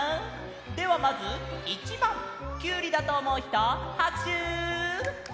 ではまず１ばんキュウリだとおもうひとはくしゅ！